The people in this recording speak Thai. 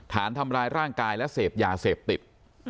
ฐานทำร้ายร่างกายและเสพยาเสพติด